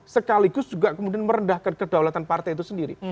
sekaligus juga kemudian merendahkan kedaulatan partai itu sendiri